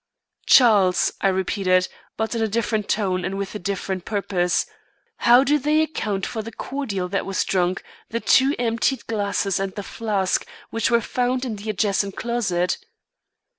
"Charles," I repeated, but in a different tone and with a different purpose, "how do they account for the cordial that was drunk the two emptied glasses and the flask which were found in the adjacent closet?"